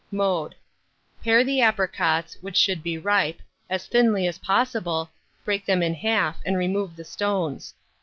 Mode. Pare the apricots, which should be ripe, as thinly as possible, break them in half, and remove the stones.